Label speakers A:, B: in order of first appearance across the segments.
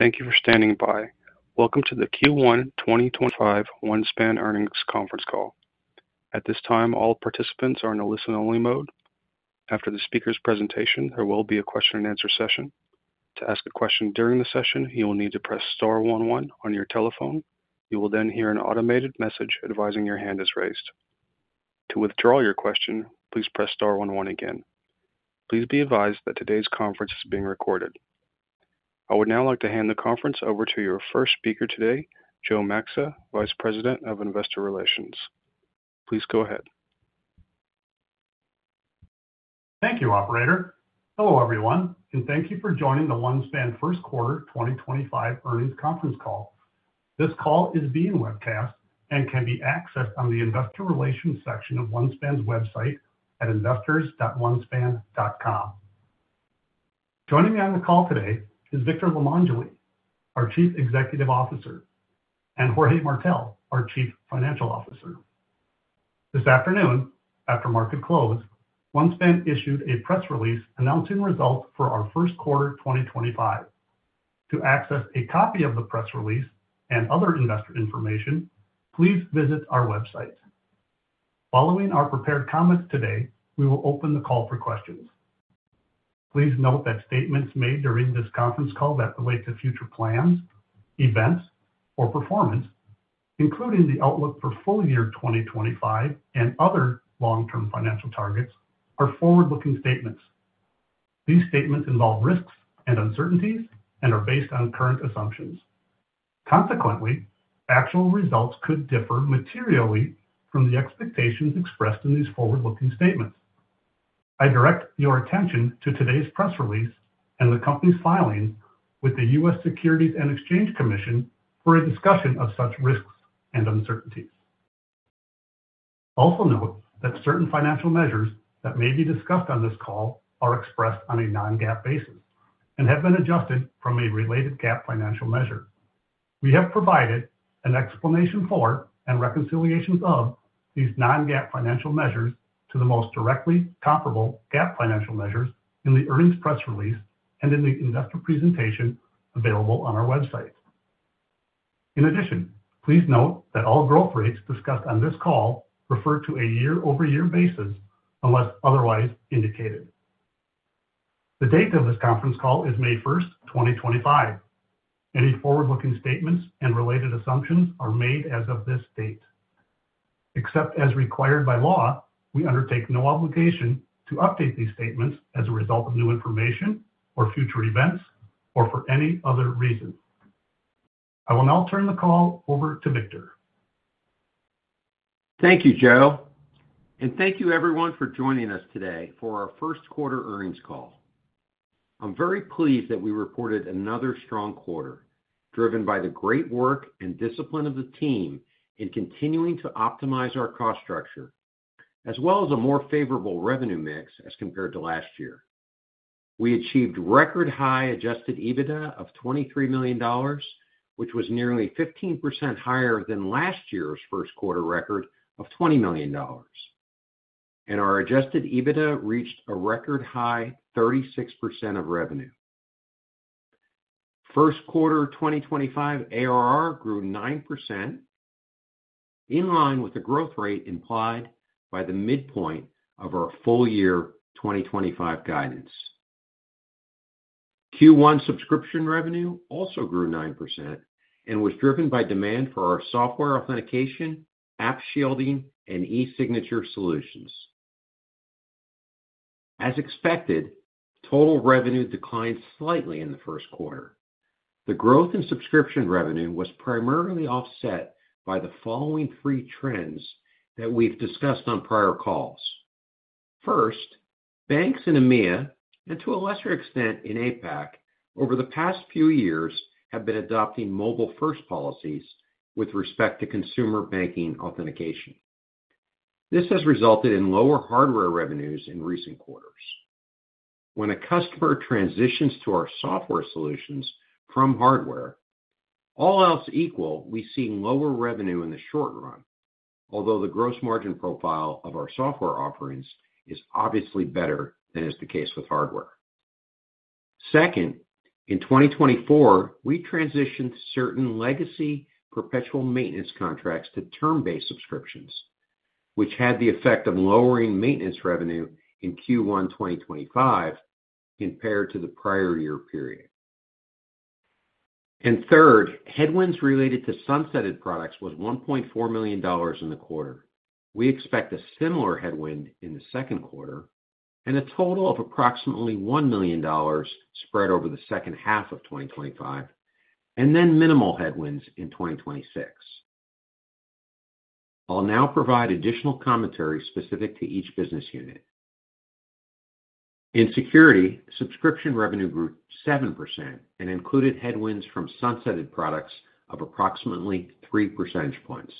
A: Thank you for standing by. Welcome to the Q1 2025 OneSpan Earnings Conference Call. At this time, all participants are in a listen-only mode. After the speaker's presentation, there will be a question-and-answer session. To ask a question during the session, you will need to press star one one on your telephone. You will then hear an automated message advising your hand is raised. To withdraw your question, please press star one one again. Please be advised that today's conference is being recorded. I would now like to hand the conference over to your first speaker today, Joe Maxa, Vice President of Investor Relations. Please go ahead.
B: Thank you, Operator. Hello, everyone, and thank you for joining the OneSpan First Quarter 2025 Earnings Conference Call. This call is being webcast and can be accessed on the Investor Relations section of OneSpan's website at investors.onespan.com. Joining me on the call today is Victor Limongelli, our Chief Executive Officer, and Jorge Martell, our Chief Financial Officer. This afternoon, after market close, OneSpan issued a press release announcing results for our first quarter 2025. To access a copy of the press release and other investor information, please visit our website. Following our prepared comments today, we will open the call for questions. Please note that statements made during this conference call that relate to future plans, events, or performance, including the outlook for full year 2025 and other long-term financial targets, are forward-looking statements. These statements involve risks and uncertainties and are based on current assumptions. Consequently, actual results could differ materially from the expectations expressed in these forward-looking statements. I direct your attention to today's press release and the company's filing with the U.S. Securities and Exchange Commission for a discussion of such risks and uncertainties. Also note that certain financial measures that may be discussed on this call are expressed on a non-GAAP basis and have been adjusted from a related GAAP financial measure. We have provided an explanation for and reconciliations of these non-GAAP financial measures to the most directly comparable GAAP financial measures in the earnings press release and in the investor presentation available on our website. In addition, please note that all growth rates discussed on this call refer to a year-over-year basis unless otherwise indicated. The date of this conference call is May 1st, 2025. Any forward-looking statements and related assumptions are made as of this date. Except as required by law, we undertake no obligation to update these statements as a result of new information or future events or for any other reason. I will now turn the call over to Victor.
C: Thank you, Joe, and thank you, everyone, for joining us today for our first quarter earnings call. I'm very pleased that we reported another strong quarter driven by the great work and discipline of the team in continuing to optimize our cost structure, as well as a more favorable revenue mix as compared to last year. We achieved record-high adjusted EBITDA of $23 million, which was nearly 15% higher than last year's first quarter record of $20 million, and our adjusted EBITDA reached a record-high 36% of revenue. First quarter 2025 ARR grew 9%, in line with the growth rate implied by the midpoint of our full year 2025 guidance. Q1 subscription revenue also grew 9% and was driven by demand for our software authentication, app shielding, and e-signature solutions. As expected, total revenue declined slightly in the first quarter. The growth in subscription revenue was primarily offset by the following three trends that we've discussed on prior calls. First, banks in EMEA and, to a lesser extent, in APAC, over the past few years have been adopting mobile-first policies with respect to consumer banking authentication. This has resulted in lower hardware revenues in recent quarters. When a customer transitions to our software solutions from hardware, all else equal, we see lower revenue in the short run, although the gross margin profile of our software offerings is obviously better than is the case with hardware. Second, in 2024, we transitioned certain legacy perpetual maintenance contracts to term-based subscriptions, which had the effect of lowering maintenance revenue in Q1 2025 compared to the prior year period. Third, headwinds related to sunsetted products was $1.4 million in the quarter. We expect a similar headwind in the second quarter and a total of approximately $1 million spread over the second half of 2025, and then minimal headwinds in 2026. I'll now provide additional commentary specific to each business unit. In security, subscription revenue grew 7% and included headwinds from sunsetted products of approximately 3 percentage points.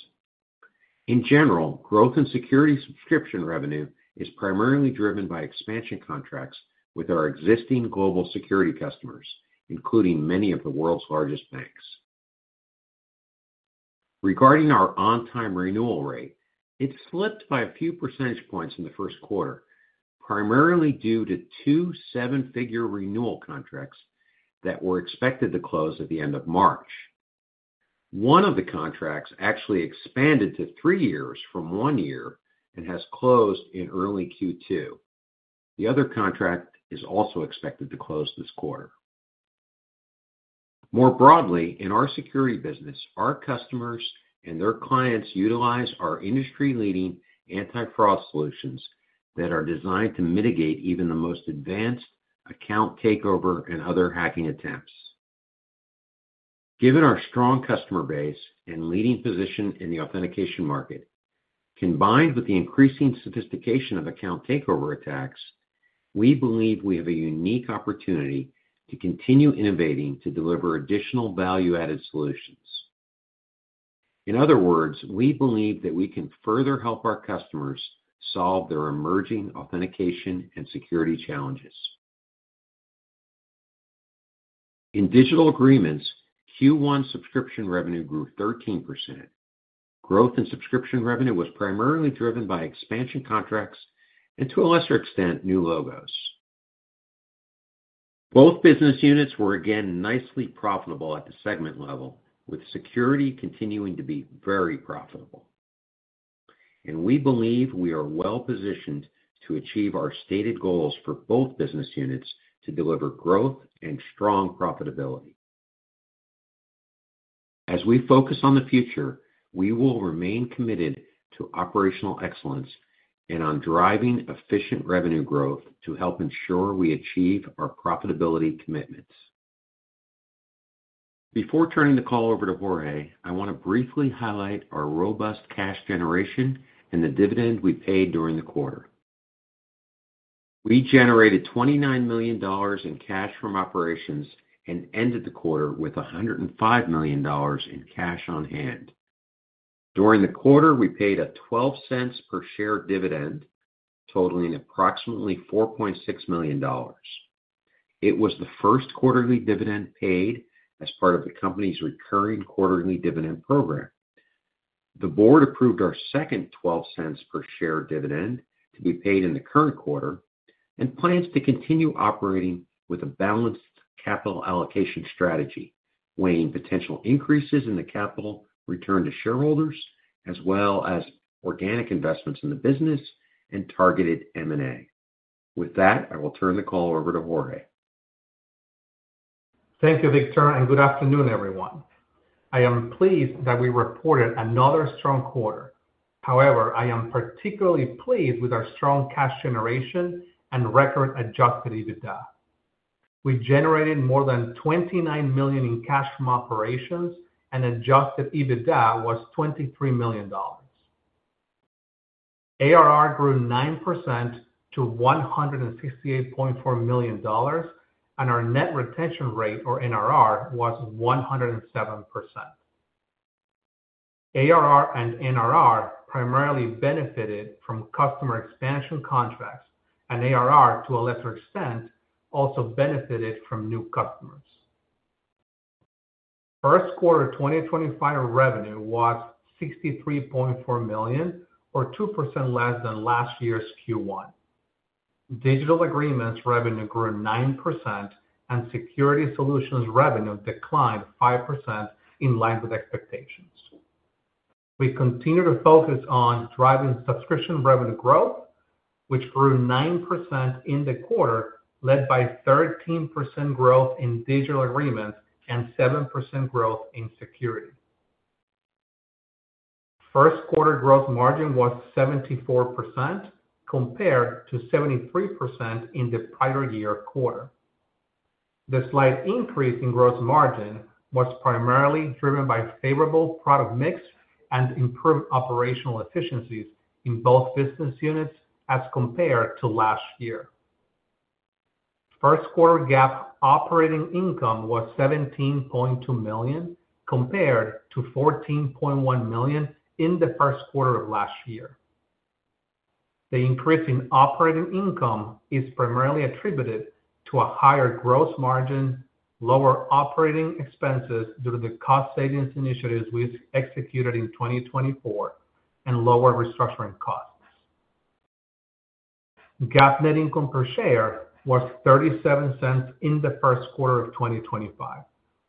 C: In general, growth in security subscription revenue is primarily driven by expansion contracts with our existing global security customers, including many of the world's largest banks. Regarding our on-time renewal rate, it slipped by a few percentage points in the first quarter, primarily due to two seven-figure renewal contracts that were expected to close at the end of March. One of the contracts actually expanded to three years from one year and has closed in early Q2. The other contract is also expected to close this quarter. More broadly, in our security business, our customers and their clients utilize our industry-leading anti-fraud solutions that are designed to mitigate even the most advanced account takeover and other hacking attempts. Given our strong customer base and leading position in the authentication market, combined with the increasing sophistication of account takeover attacks, we believe we have a unique opportunity to continue innovating to deliver additional value-added solutions. In other words, we believe that we can further help our customers solve their emerging authentication and security challenges. In digital agreements, Q1 subscription revenue grew 13%. Growth in subscription revenue was primarily driven by expansion contracts and, to a lesser extent, new logos. Both business units were again nicely profitable at the segment level, with security continuing to be very profitable. We believe we are well positioned to achieve our stated goals for both business units to deliver growth and strong profitability. As we focus on the future, we will remain committed to operational excellence and on driving efficient revenue growth to help ensure we achieve our profitability commitments. Before turning the call over to Jorge, I want to briefly highlight our robust cash generation and the dividend we paid during the quarter. We generated $29 million in cash from operations and ended the quarter with $105 million in cash on hand. During the quarter, we paid a $0.12 per share dividend, totaling approximately $4.6 million. It was the first quarterly dividend paid as part of the company's recurring quarterly dividend program. The board approved our second $0.12 per share dividend to be paid in the current quarter and plans to continue operating with a balanced capital allocation strategy, weighing potential increases in the capital return to shareholders, as well as organic investments in the business and targeted M&A. With that, I will turn the call over to Jorge.
D: Thank you, Victor, and good afternoon, everyone. I am pleased that we reported another strong quarter. However, I am particularly pleased with our strong cash generation and record adjusted EBITDA. We generated more than $29 million in cash from operations, and adjusted EBITDA was $23 million. ARR grew 9% to $168.4 million, and our net retention rate, or NRR, was 107%. ARR and NRR primarily benefited from customer expansion contracts, and ARR, to a lesser extent, also benefited from new customers. First quarter 2025 revenue was $63.4 million, or 2% less than last year's Q1. Digital agreements revenue grew 9%, and security solutions revenue declined 5% in line with expectations. We continue to focus on driving subscription revenue growth, which grew 9% in the quarter, led by 13% growth in digital agreements and 7% growth in security. First quarter gross margin was 74%, compared to 73% in the prior year quarter. The slight increase in gross margin was primarily driven by favorable product mix and improved operational efficiencies in both business units as compared to last year. First quarter GAAP operating income was $17.2 million, compared to $14.1 million in the first quarter of last year. The increase in operating income is primarily attributed to a higher gross margin, lower operating expenses due to the cost savings initiatives we executed in 2024, and lower restructuring costs. GAAP net income per share was $0.37 in the first quarter of 2025,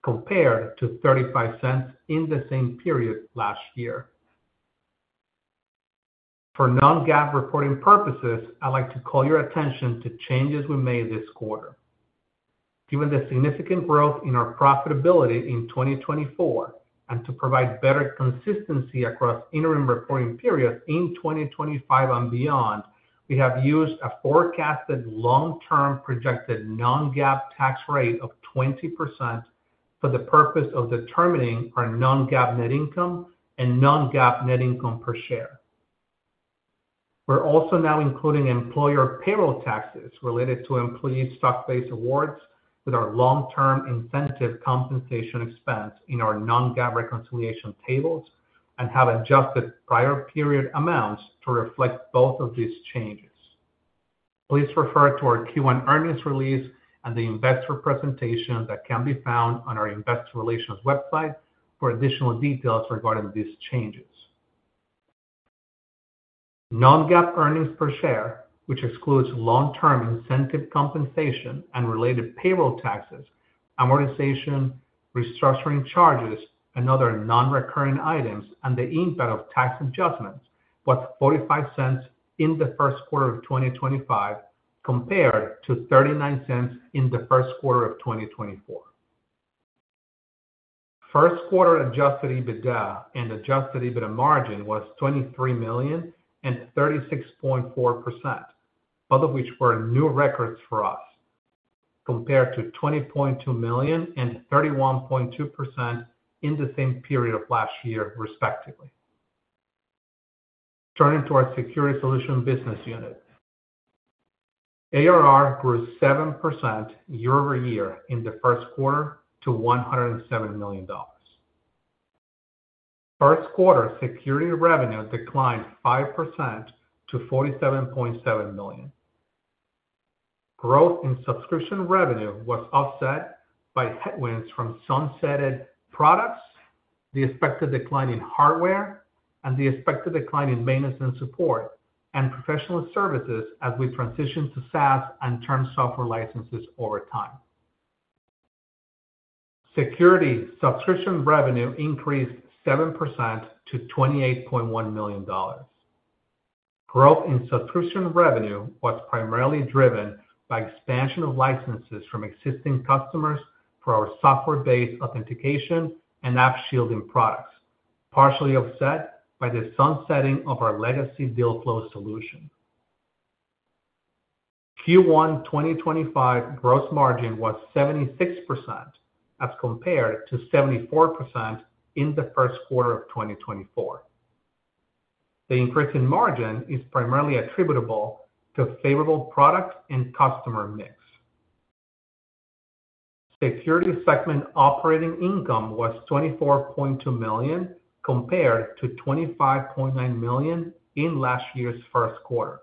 D: compared to $0.35 in the same period last year. For non-GAAP reporting purposes, I'd like to call your attention to changes we made this quarter. Given the significant growth in our profitability in 2024 and to provide better consistency across interim reporting periods in 2025 and beyond, we have used a forecasted long-term projected non-GAAP tax rate of 20% for the purpose of determining our non-GAAP net income and non-GAAP net income per share. We're also now including employer payroll taxes related to employee stock-based awards with our long-term incentive compensation expense in our non-GAAP reconciliation tables and have adjusted prior period amounts to reflect both of these changes. Please refer to our Q1 earnings release and the investor presentation that can be found on our investor relations website for additional details regarding these changes. Non-GAAP earnings per share, which excludes long-term incentive compensation and related payroll taxes, amortization, restructuring charges, and other non-recurring items, and the impact of tax adjustments was $0.45 in the first quarter of 2025, compared to $0.39 in the first quarter of 2024. First quarter adjusted EBITDA and adjusted EBITDA margin was $23 million and 36.4%, both of which were new records for us, compared to $20.2 million and 31.2% in the same period of last year, respectively. Turning to our security solution business unit, ARR grew 7% year-over-year in the first quarter to $107 million. First quarter security revenue declined 5% to $47.7 million. Growth in subscription revenue was offset by headwinds from sunsetted products, the expected decline in hardware, and the expected decline in maintenance and support and professional services as we transitioned to SaaS and term software licenses over time. Security subscription revenue increased 7% to $28.1 million. Growth in subscription revenue was primarily driven by expansion of licenses from existing customers for our software-based authentication and app shielding products, partially offset by the sunsetting of our legacy Deal Flow Solution. Q1 2025 gross margin was 76% as compared to 74% in the first quarter of 2024. The increase in margin is primarily attributable to favorable product and customer mix. Security segment operating income was $24.2 million compared to $25.9 million in last year's first quarter,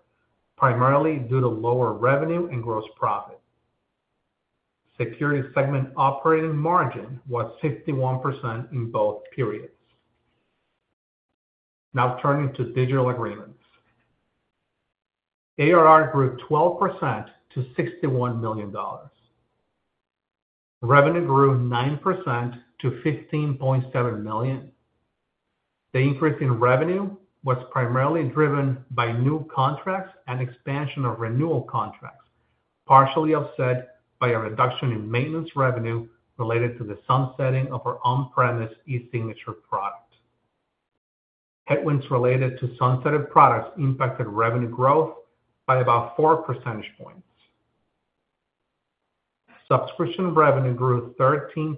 D: primarily due to lower revenue and gross profit. Security segment operating margin was 51% in both periods. Now turning to digital agreements, ARR grew 12% to $61 million. Revenue grew 9% to $15.7 million. The increase in revenue was primarily driven by new contracts and expansion of renewal contracts, partially offset by a reduction in maintenance revenue related to the sunsetting of our on-premise e-signature product. Headwinds related to sunsetted products impacted revenue growth by about 4 percentage points. Subscription revenue grew 13%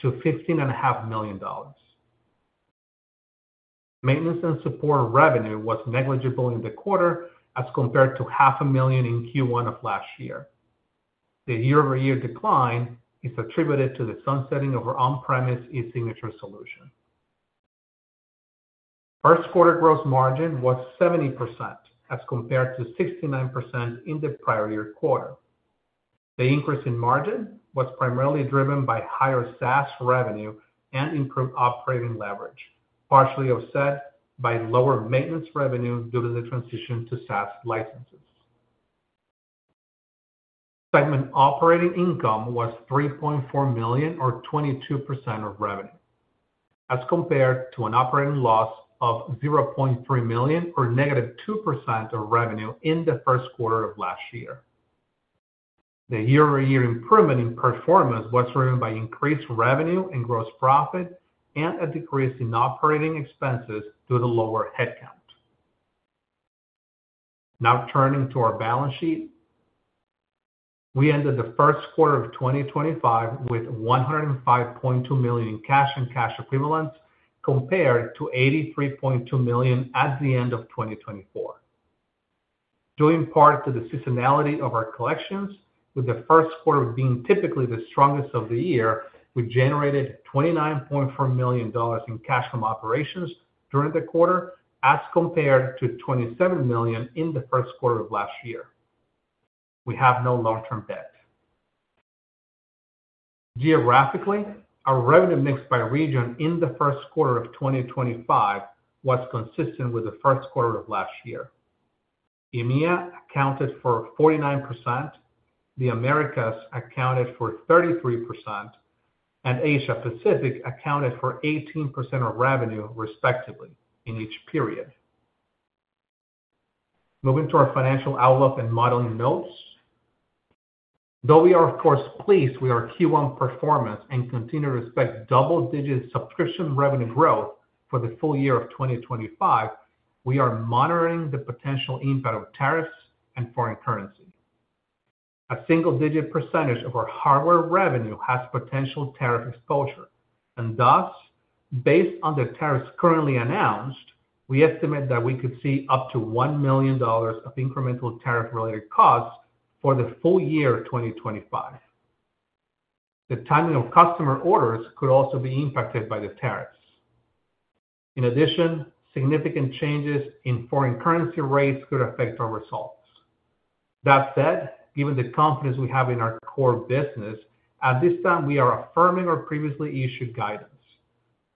D: to $15.5 million. Maintenance and support revenue was negligible in the quarter as compared to $500,000 in Q1 of last year. The year-over-year decline is attributed to the sunsetting of our on-premise e-signature solution. First quarter gross margin was 70% as compared to 69% in the prior year quarter. The increase in margin was primarily driven by higher SaaS revenue and improved operating leverage, partially offset by lower maintenance revenue due to the transition to SaaS licenses. Segment operating income was $3.4 million, or 22% of revenue, as compared to an operating loss of $0.3 million, or negative 2% of revenue in the first quarter of last year. The year-over-year improvement in performance was driven by increased revenue and gross profit and a decrease in operating expenses due to lower headcount. Now turning to our balance sheet, we ended the first quarter of 2025 with $105.2 million in cash and cash equivalents compared to $83.2 million at the end of 2024. Due in part to the seasonality of our collections, with the first quarter being typically the strongest of the year, we generated $29.4 million in cash from operations during the quarter as compared to $27 million in the first quarter of last year. We have no long-term debt. Geographically, our revenue mix by region in the first quarter of 2025 was consistent with the first quarter of last year. EMEA accounted for 49%, the Americas accounted for 33%, and Asia-Pacific accounted for 18% of revenue, respectively, in each period. Moving to our financial outlook and modeling notes, though we are, of course, pleased with our Q1 performance and continue to expect double-digit subscription revenue growth for the full year of 2025, we are monitoring the potential impact of tariffs and foreign currency. A single-digit percentage of our hardware revenue has potential tariff exposure, and thus, based on the tariffs currently announced, we estimate that we could see up to $1 million of incremental tariff-related costs for the full year 2025. The timing of customer orders could also be impacted by the tariffs. In addition, significant changes in foreign currency rates could affect our results. That said, given the confidence we have in our core business, at this time, we are affirming our previously issued guidance.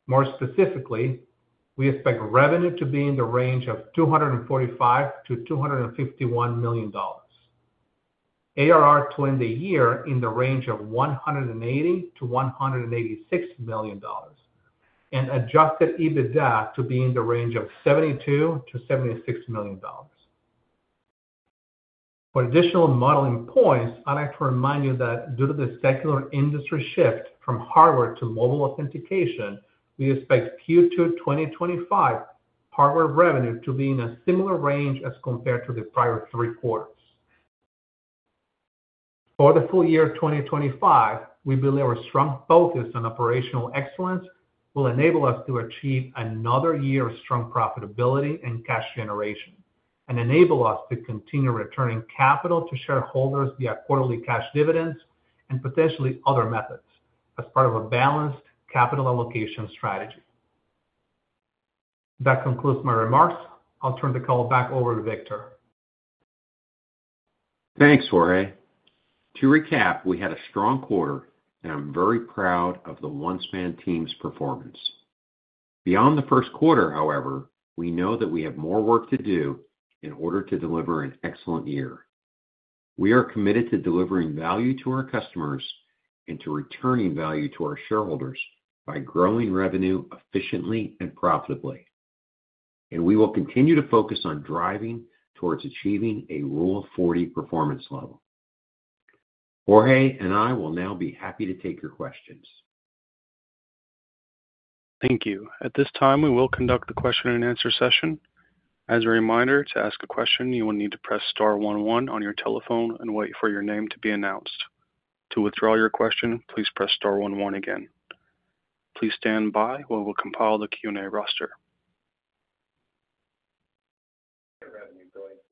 D: More specifically, we expect revenue to be in the range of $245-$251 million. ARR to end the year in the range of $180-$186 million and adjusted EBITDA to be in the range of $72-$76 million. For additional modeling points, I'd like to remind you that due to the secular industry shift from hardware to mobile authentication, we expect Q2 2025 hardware revenue to be in a similar range as compared to the prior three quarters. For the full year 2025, we believe our strong focus on operational excellence will enable us to achieve another year of strong profitability and cash generation and enable us to continue returning capital to shareholders via quarterly cash dividends and potentially other methods as part of a balanced capital allocation strategy. That concludes my remarks. I'll turn the call back over to Victor.
C: Thanks, Jorge. To recap, we had a strong quarter, and I'm very proud of the OneSpan team's performance. Beyond the first quarter, however, we know that we have more work to do in order to deliver an excellent year. We are committed to delivering value to our customers and to returning value to our shareholders by growing revenue efficiently and profitably. We will continue to focus on driving towards achieving a Rule 40 performance level. Jorge and I will now be happy to take your questions.
A: Thank you. At this time, we will conduct the question and answer session. As a reminder, to ask a question, you will need to press star one one on your telephone and wait for your name to be announced. To withdraw your question, please press star one one again. Please stand by while we compile the Q&A roster.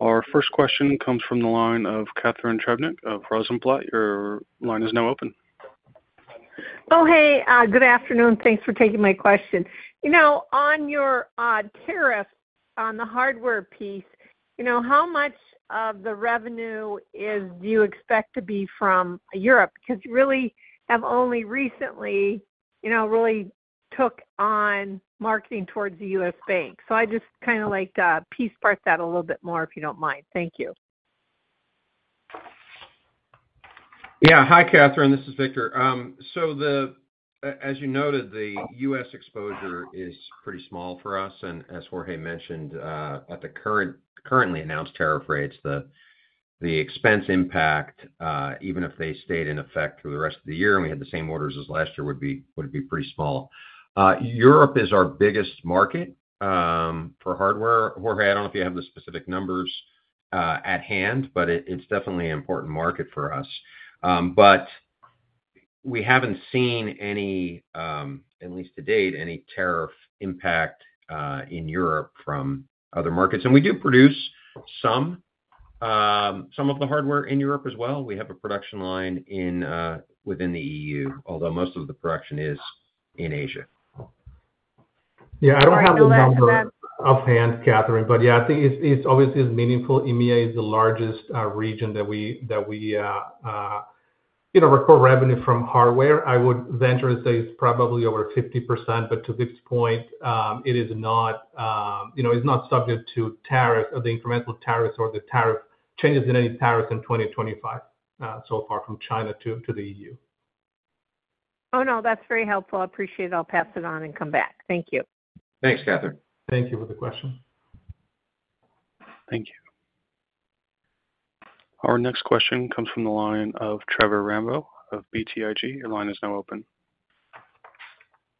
A: Our first question comes from the line of Catherine Trebnick of Rosenblatt. Your line is now open.
E: Oh, hey. Good afternoon. Thanks for taking my question. You know, on your tariffs, on the hardware piece, you know, how much of the revenue do you expect to be from Europe? Because you really have only recently, you know, really took on marketing towards the U.S. Bank. So I just kind of like to piece part that a little bit more, if you do not mind. Thank you.
C: Yeah. Hi, Katherine. This is Victor. As you noted, the U.S. exposure is pretty small for us. As Jorge mentioned, at the currently announced tariff rates, the expense impact, even if they stayed in effect through the rest of the year and we had the same orders as last year, would be pretty small. Europe is our biggest market for hardware. Jorge, I don't know if you have the specific numbers at hand, but it's definitely an important market for us. We haven't seen any, at least to date, any tariff impact in Europe from other markets. We do produce some of the hardware in Europe as well. We have a production line within the EU, although most of the production is in Asia.
D: Yeah. I don't have the number offhand, Katherine, but yeah, I think it obviously is meaningful. EMEA is the largest region that we, you know, record revenue from hardware. I would venture to say it's probably over 50%, but to this point, it is not, you know, it's not subject to tariffs or the incremental tariffs or the tariff changes in any tariffs in 2025 so far from China to the EU.
E: Oh, no. That's very helpful. I appreciate it. I'll pass it on and come back. Thank you.
C: Thanks, Katherine.
D: Thank you for the question.
A: Thank you. Our next question comes from the line of Trevor Rambo of BTIG. Your line is now open.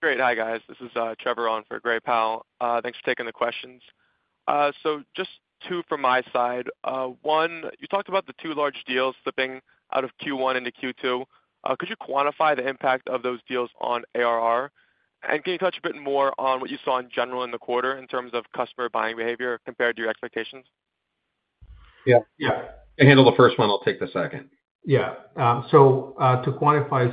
F: Great. Hi, guys. This is Trevor on for Gray Powell. Thanks for taking the questions. Just two from my side. One, you talked about the two large deals slipping out of Q1 into Q2. Could you quantify the impact of those deals on ARR? Can you touch a bit more on what you saw in general in the quarter in terms of customer buying behavior compared to your expectations?
D: Yeah. Yeah.
C: I handle the first one. I'll take the second.
D: Yeah. To quantify,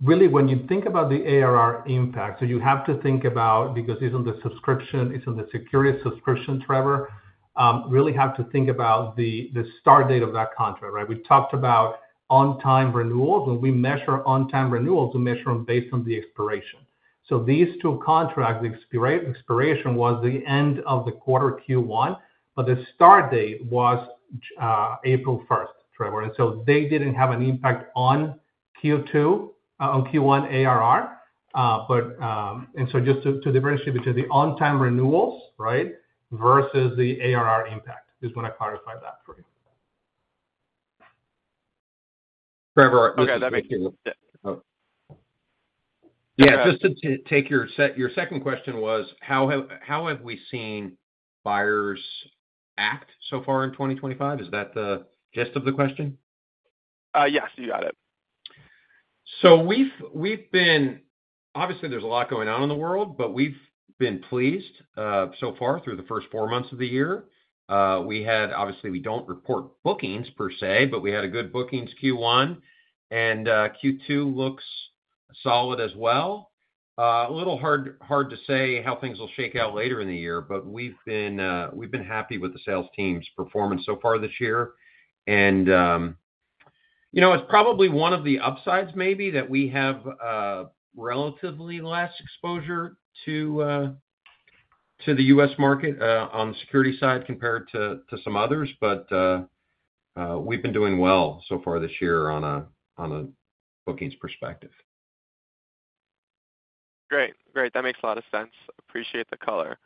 D: when you think about the ARR impact, you have to think about, because it's on the subscription, it's on the security subscription, Trevor, you really have to think about the start date of that contract, right? We talked about on-time renewals, and we measure on-time renewals, we measure them based on the expiration. These two contracts, the expiration was the end of the quarter Q1, but the start date was April 1st, Trevor. They didn't have an impact on Q1 ARR. Just to differentiate between the on-time renewals versus the ARR impact, just want to clarify that for you, Trevor.
F: Okay. That makes sense.
C: Yeah. Just to take your second question, was, how have we seen buyers act so far in 2025? Is that the gist of the question?
F: Yes. You got it.
C: We have been, obviously, there is a lot going on in the world, but we have been pleased so far through the first four months of the year. We had, obviously, we do not report bookings per se, but we had a good bookings Q1, and Q2 looks solid as well. It is a little hard to say how things will shake out later in the year, but we have been happy with the sales team's performance so far this year. You know, it is probably one of the upsides maybe that we have relatively less exposure to the U.S. market on the security side compared to some others, but we have been doing well so far this year on a bookings perspective.
F: Great. Great. That makes a lot of sense. Appreciate the color.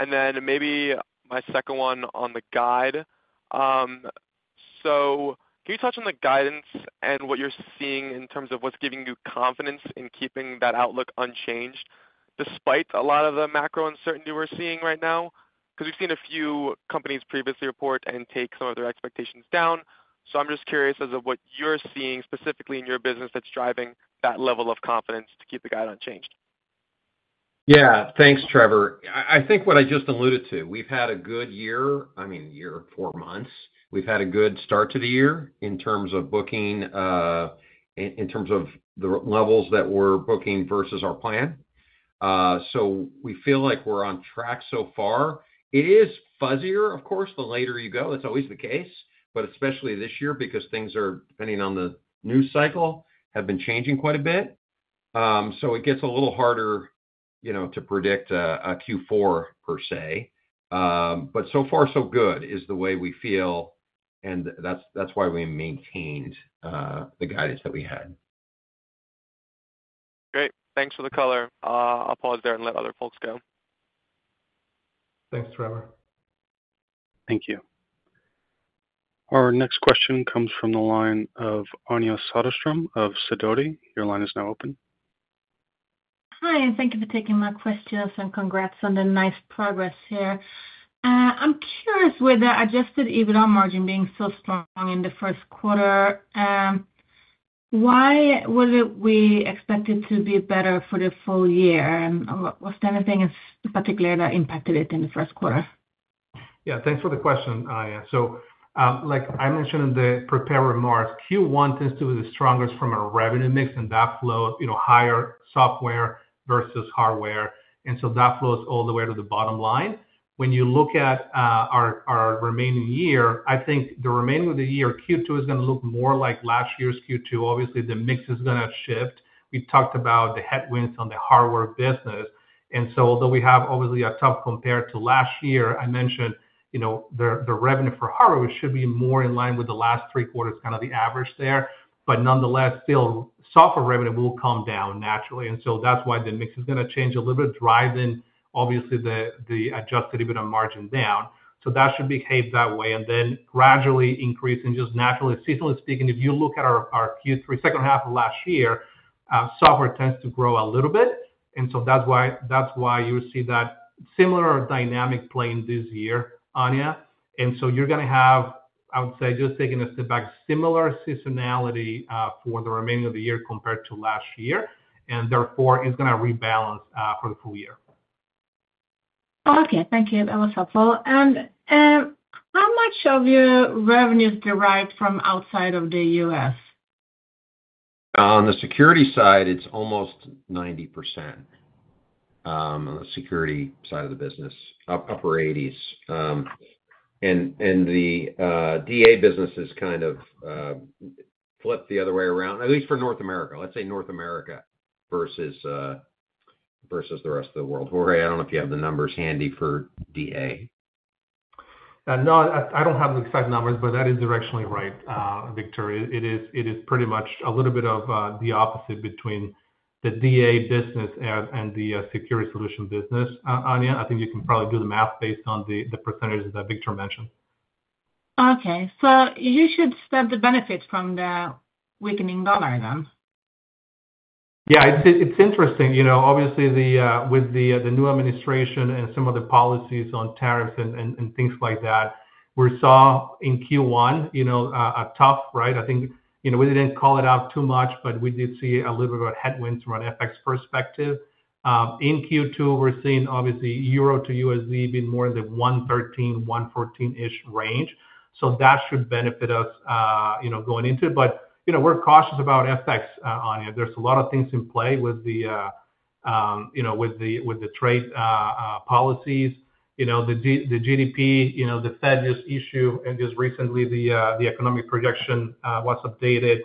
F: Maybe my second one on the guide. Can you touch on the guidance and what you're seeing in terms of what's giving you confidence in keeping that outlook unchanged despite a lot of the macro uncertainty we're seeing right now? We've seen a few companies previously report and take some of their expectations down. I'm just curious as to what you're seeing specifically in your business that's driving that level of confidence to keep the guide unchanged?
C: Yeah. Thanks, Trevor. I think what I just alluded to, we've had a good year, I mean, year or four months, we've had a good start to the year in terms of booking, in terms of the levels that we're booking versus our plan. So we feel like we're on track so far. It is fuzzier, of course, the later you go. That's always the case, especially this year because things are, depending on the news cycle, have been changing quite a bit. It gets a little harder, you know, to predict a Q4 per se. So far, so good is the way we feel, and that's why we maintained the guidance that we had.
F: Great. Thanks for the color. I'll pause there and let other folks go.
D: Thanks, Trevor.
A: Thank you. Our next question comes from the line of Anja Soderström of Sidoti. Your line is now open.
G: Hi. Thank you for taking my questions and congrats on the nice progress here. I'm curious with the adjusted EBITDA margin being so strong in the first quarter, why were we expected to be better for the full year? Was there anything in particular that impacted it in the first quarter?
D: Yeah. Thanks for the question, Anja. Like I mentioned in the prepared remarks, Q1 tends to be the strongest from a revenue mix, and that flow, you know, higher software versus hardware. That flows all the way to the bottom line. When you look at our remaining year, I think the remaining of the year, Q2 is going to look more like last year's Q2. Obviously, the mix is going to shift. We talked about the headwinds on the hardware business. Although we have obviously a tough compared to last year, I mentioned, you know, the revenue for hardware should be more in line with the last three quarters, kind of the average there. Nonetheless, still, software revenue will come down naturally. That is why the mix is going to change a little bit, driving, obviously, the adjusted EBITDA margin down. That should behave that way and then gradually increase and just naturally, seasonally speaking, if you look at our Q3, second half of last year, software tends to grow a little bit. That is why you see that similar dynamic playing this year, Anja. You are going to have, I would say, just taking a step back, similar seasonality for the remaining of the year compared to last year. Therefore, it is going to rebalance for the full year.
G: Okay. Thank you. That was helpful. How much of your revenue is derived from outside of the U.S.?
C: On the security side, it's almost 90% on the security side of the business, upper 80s. The DA business is kind of flipped the other way around, at least for North America. Let's say North America versus the rest of the world. Jorge, I don't know if you have the numbers handy for DA.
D: No, I don't have the exact numbers, but that is directionally right, Victor. It is pretty much a little bit of the opposite between the DA business and the security solution business, Anja. I think you can probably do the math based on the percentages that Victor mentioned.
G: Okay. You should expect the benefits from the weakening dollar then.
D: Yeah. It's interesting. You know, obviously, with the new administration and some of the policies on tariffs and things like that, we saw in Q1, you know, a tough, right? I think, you know, we didn't call it out too much, but we did see a little bit of headwinds from an FX perspective. In Q2, we're seeing, obviously, Euro to USD being more in the 1.13-1.14 range. That should benefit us, you know, going into it. You know, we're cautious about FX, Anja. There's a lot of things in play with the, you know, with the trade policies. You know, the GDP, you know, the Fed just issued, and just recently, the economic projection was updated,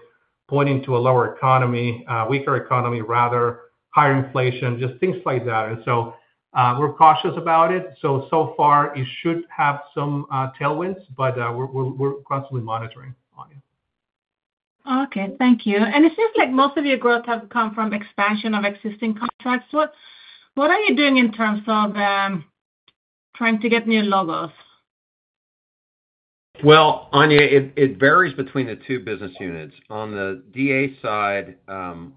D: pointing to a lower economy, weaker economy, rather, higher inflation, just things like that. We are cautious about it. It should have some tailwinds, but we're constantly monitoring, Anja.
G: Okay. Thank you. It seems like most of your growth has come from expansion of existing contracts. What are you doing in terms of trying to get new logos?
C: Anja, it varies between the two business units. On the DA side,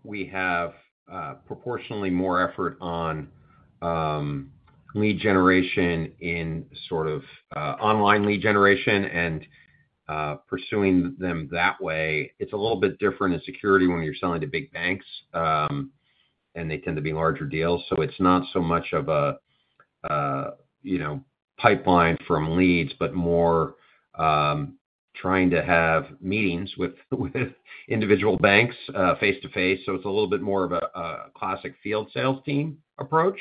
C: we have proportionally more effort on lead generation in sort of online lead generation and pursuing them that way. It is a little bit different in security when you are selling to big banks, and they tend to be larger deals. It is not so much of a, you know, pipeline from leads, but more trying to have meetings with individual banks face to face. It is a little bit more of a classic field sales team approach,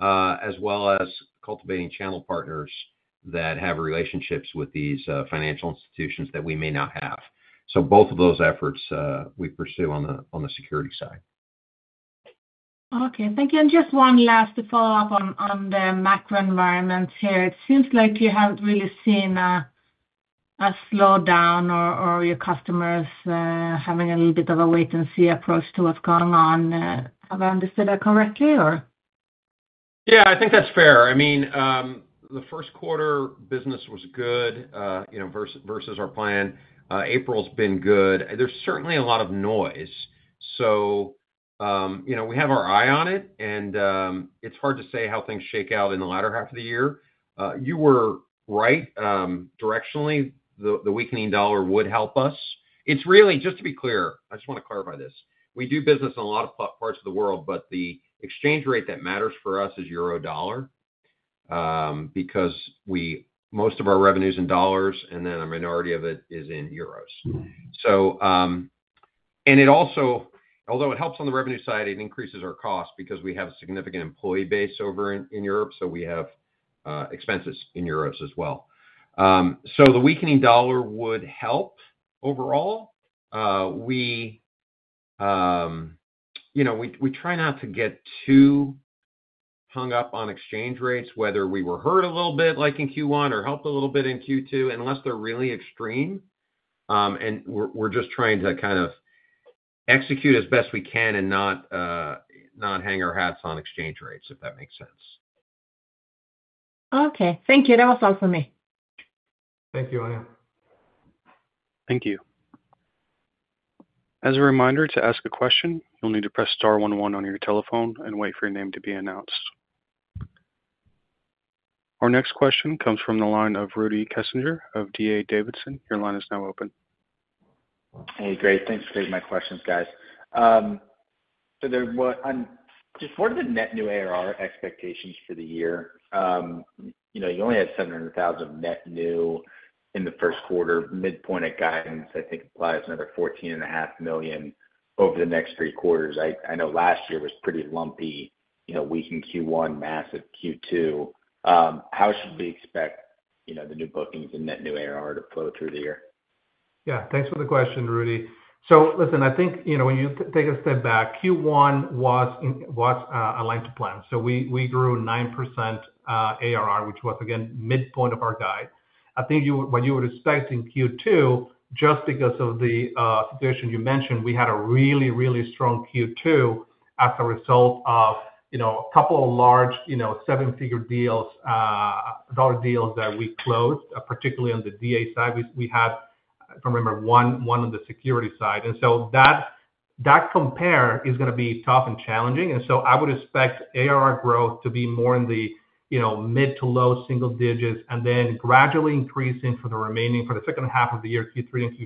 C: as well as cultivating channel partners that have relationships with these financial institutions that we may not have. Both of those efforts we pursue on the security side.
G: Thank you. Just one last to follow up on the macro environment here. It seems like you haven't really seen a slowdown or your customers having a little bit of a wait-and-see approach to what's going on. Have I understood that correctly, or?
C: Yeah. I think that's fair. I mean, the first quarter business was good, you know, versus our plan. April's been good. There's certainly a lot of noise. You know, we have our eye on it, and it's hard to say how things shake out in the latter half of the year. You were right. Directionally, the weakening dollar would help us. It's really, just to be clear, I just want to clarify this. We do business in a lot of parts of the world, but the exchange rate that matters for us is euro dollar because most of our revenue is in dollars, and then a minority of it is in euros. It also, although it helps on the revenue side, increases our cost because we have a significant employee base over in Europe. We have expenses in euros as well. The weakening dollar would help overall. We, you know, we try not to get too hung up on exchange rates, whether we were hurt a little bit like in Q1 or helped a little bit in Q2, unless they're really extreme. We are just trying to kind of execute as best we can and not hang our hats on exchange rates, if that makes sense.
G: Okay. Thank you. That was all for me.
D: Thank you, Anja.
A: Thank you. As a reminder to ask a question, you'll need to press star one one on your telephone and wait for your name to be announced. Our next question comes from the line of Rudy Kessinger of D.A. Davidson. Your line is now open.
H: Hey, great. Thanks for taking my questions, guys. There was just, what are the net new ARR expectations for the year? You know, you only had $700,000 net new in the first quarter. Midpoint at guidance, I think, implies another $14.5 million over the next three quarters. I know last year was pretty lumpy, you know, weakened Q1, massive Q2. How should we expect, you know, the new bookings and net new ARR to flow through the year?
D: Yeah. Thanks for the question, Rudy. Listen, I think, you know, when you take a step back, Q1 was aligned to plan. We grew 9% ARR, which was, again, midpoint of our guide. I think what you would expect in Q2, just because of the situation you mentioned, we had a really, really strong Q2 as a result of, you know, a couple of large, you know, seven-figure dollar deals that we closed, particularly on the DA side. We had, if I remember, one on the security side. That compare is going to be tough and challenging. I would expect ARR growth to be more in the, you know, mid to low single digits, and then gradually increasing for the remaining for the second half of the year, Q3 and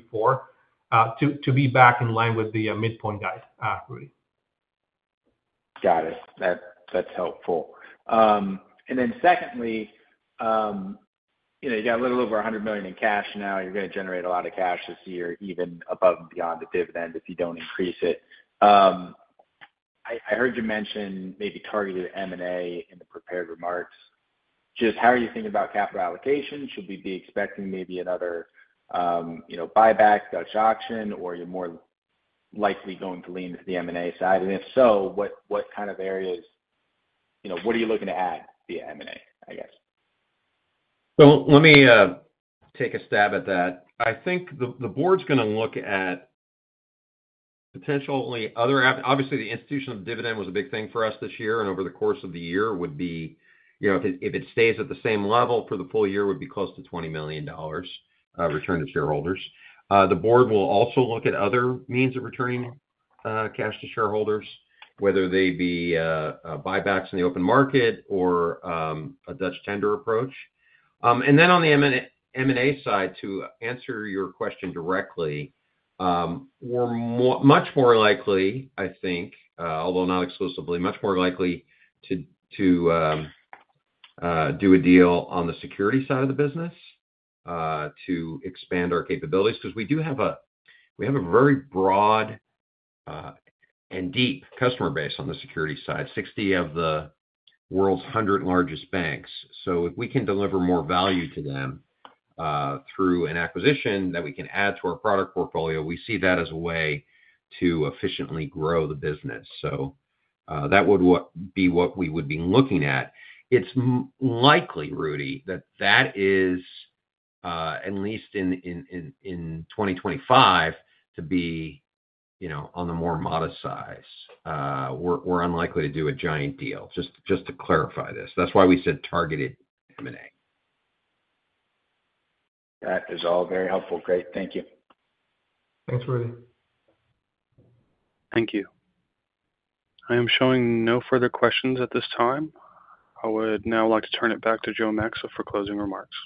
D: Q4, to be back in line with the midpoint guide, Rudy.
H: Got it. That's helpful. Then secondly, you know, you got a little over $100 million in cash now. You're going to generate a lot of cash this year, even above and beyond the dividend if you don't increase it. I heard you mention maybe targeted M&A in the prepared remarks. Just how are you thinking about capital allocation? Should we be expecting maybe another, you know, buyback, Dutch auction, or are you more likely going to lean to the M&A side? If so, what kind of areas, you know, what are you looking to add via M&A, I guess?
C: Let me take a stab at that. I think the board's going to look at potentially other avenues. Obviously, the institution of dividend was a big thing for us this year, and over the course of the year would be, you know, if it stays at the same level for the full year, would be close to $20 million return to shareholders. The board will also look at other means of returning cash to shareholders, whether they be buybacks in the open market or a Dutch tender approach. On the M&A side, to answer your question directly, we're much more likely, I think, although not exclusively, much more likely to do a deal on the security side of the business to expand our capabilities. Because we do have a very broad and deep customer base on the security side, 60 of the world's 100 largest banks. If we can deliver more value to them through an acquisition that we can add to our product portfolio, we see that as a way to efficiently grow the business. That would be what we would be looking at. It's likely, Rudy, that that is, at least in 2025, to be, you know, on the more modest side. We're unlikely to do a giant deal, just to clarify this. That's why we said targeted M&A.
H: That is all very helpful. Great. Thank you.
D: Thanks, Rudy.
A: Thank you. I am showing no further questions at this time. I would now like to turn it back to Joe Maxa for closing remarks.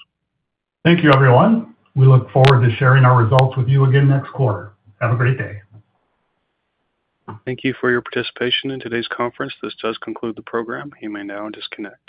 B: Thank you, everyone. We look forward to sharing our results with you again next quarter. Have a great day.
A: Thank you for your participation in today's conference. This does conclude the program. You may now disconnect.